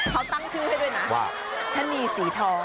เขาตั้งชื่อให้ด้วยนะว่าชะนีสีทอง